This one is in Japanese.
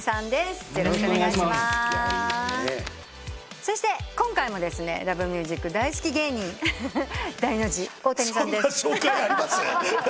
そして今回も『Ｌｏｖｅｍｕｓｉｃ』大好き芸人ダイノジ大谷さんです。